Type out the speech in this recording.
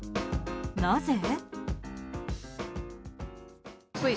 なぜ？